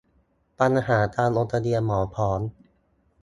ปัญหาการลงทะเบียนหมอพร้อม